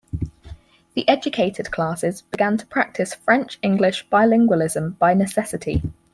The educated classes began to practice French-English bilingualism by necessity.